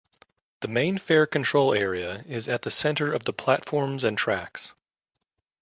The main fare control area is at the center of the platforms and tracks.